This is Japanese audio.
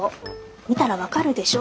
見たら分かるでしょ？